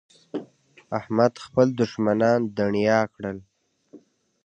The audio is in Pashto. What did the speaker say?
احمد خپل دوښمنان دڼيا کړل.